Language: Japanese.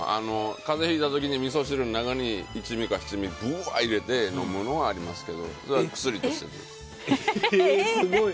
風邪ひいた時に、みそ汁の中に一味か七味、ぶわー入れて飲むのはありますけどすごい。